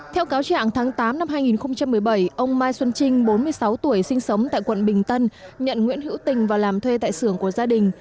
theo cáo trạng tháng tám năm hai nghìn một mươi bảy ông mai xuân trinh bốn mươi sáu tuổi sinh sống tại quận bình tân nhận nguyễn hữu tình và làm thuê tại xưởng của gia đình